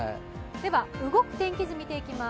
動く天気図見ていきます。